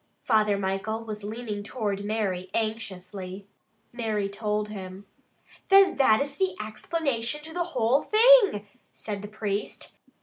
'" Father Michael was leaning toward Mary anxiously. Mary told him. "Then that is the explanation to the whole thing," said the priest.